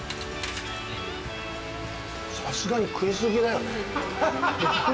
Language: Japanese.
さすがに食い過ぎだよね。